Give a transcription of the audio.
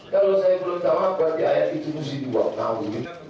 kalau saya belum tahu berarti ayat itu musiduwa